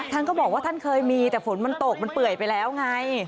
ท่านก็บอกว่าท่านเคยมีแต่ฝนมันตกมันเปื่อยไปแล้วไง